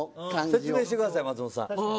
説明してください松本さん。